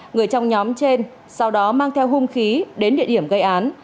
người trong nhóm trên sau đó mang theo hung khí đến địa điểm gây án